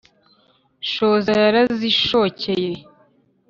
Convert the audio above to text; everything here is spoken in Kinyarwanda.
shoza yarazishokeye